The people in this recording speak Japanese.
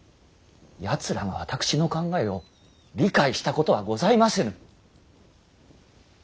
やつらが私の考えを理解したことはございませぬ。